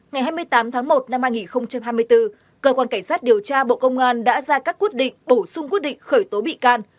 ngày hai mươi tám tháng một năm hai nghìn hai mươi bốn cơ quan cảnh sát điều tra bộ công an đã ra các quyết định bổ sung quyết định khởi tố bị can